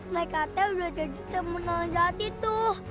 mereka katanya udah jadi teman orang jahat itu